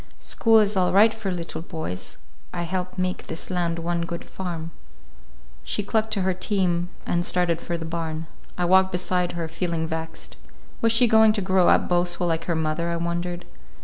School is all right for little boys. I help make this land one good farm." She clucked to her team and started for the barn. I walked beside her, feeling vexed. Was she going to grow up boastful like her mother, I wondered?